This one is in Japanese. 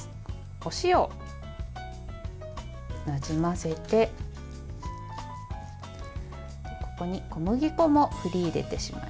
お塩、なじませてここに小麦粉も振り入れてしまいます。